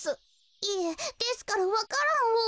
いえですからわか蘭を。